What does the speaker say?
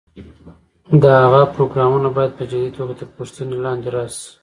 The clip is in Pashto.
د هغه پروګرامونه باید په جدي توګه تر پوښتنې لاندې راشي.